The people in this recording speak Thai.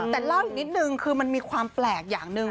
แต่เล่าอีกนิดนึงคือมันมีความแปลกอย่างหนึ่ง